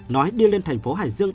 nói đi lên thành phố hải dương